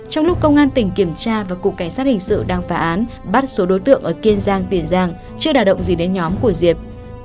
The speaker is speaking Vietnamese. trong lúc công an tỉnh kiểm tra và cục cảnh sát hình sự đang phá án bắt số đối tượng ở kiên giang tiền giang chưa đà động gì đến nhóm của diệp